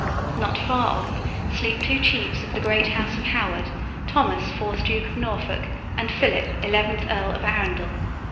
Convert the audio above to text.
Not far off sleep two chiefs of the great house of Howard, Thomas, fourth Duke of Norfolk, and Philip, eleventh Earl of Arundel.